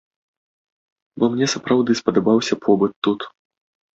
Бо мне сапраўды спадабаўся побыт тут.